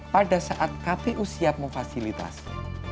pada saat kpu siap memfasilitasi